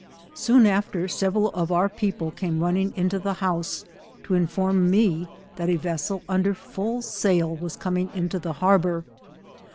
Soon after several of our people, came running into the house, to inform me that a vessel under full sail was coming into the Tiarbour.